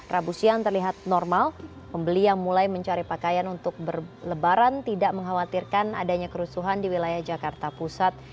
rabu siang terlihat normal pembeli yang mulai mencari pakaian untuk berlebaran tidak mengkhawatirkan adanya kerusuhan di wilayah jakarta pusat